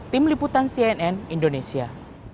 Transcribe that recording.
tim liputan cnn indonesia